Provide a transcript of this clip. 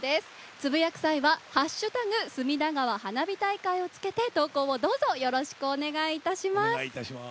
つぶやく際はハッシュタグ隅田川花火大会をつけて投稿をどうぞよろしくお願いいたします。